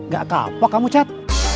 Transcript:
gak kapok kamu cat